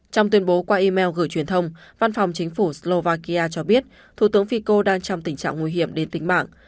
trong tuyên bố qua email gửi truyền thông văn phòng chính phủ slovakia cho biết thủ tướng fico đang trong tình trạng nguy hiểm đến tính mạng